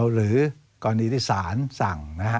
หรือกรณีที่สารสั่ง